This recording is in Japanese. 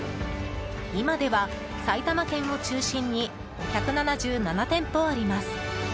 今では埼玉県を中心に１７７店舗あります。